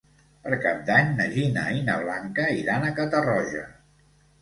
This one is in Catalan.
Per Cap d'Any na Gina i na Blanca iran a Catarroja.